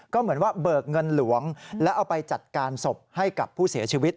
ก็เหมือนว่าเบิกเงินหลวงแล้วเอาไปจัดการศพให้กับผู้เสียชีวิต